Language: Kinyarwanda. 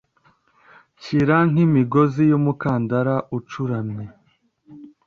Shyira nk'imigozi y'umukandara ucuramye.